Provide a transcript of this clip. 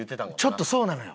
ちょっとそうなのよ。